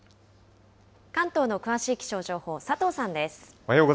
関東の詳しい気象情報、佐藤さんです。